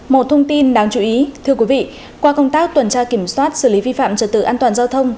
một thông tin đáng chú ý thưa quý vị qua công tác tuần tra kiểm soát xử lý vi phạm trật tự an toàn giao thông